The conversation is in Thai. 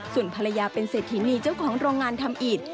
ส่วนภรรยาเป็นเศรษฐีนีเจ้าของโรงงานทำอิต